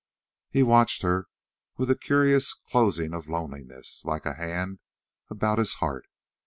He watched her with a curious closing of loneliness like a hand about his heart.